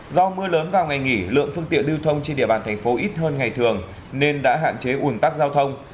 do mưa lớn vào ngày nghỉ lượng phương tiện lưu thông trên địa bàn thành phố ít hơn ngày thường nên đã hạn chế ủn tắc giao thông